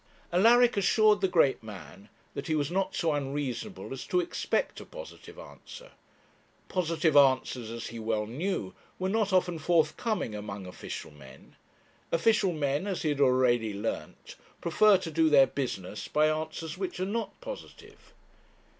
Alaric assured the great man that he was not so unreasonable as to expect a positive answer. Positive answers, as he well knew, were not often forthcoming among official men; official men, as he had already learnt, prefer to do their business by answers which are not positive.